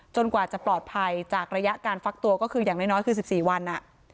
จนกว่าจะปลอดภัยจากระยะการฟักตัวก็คืออย่างน้อยน้อยคือสิบสี่วันอะ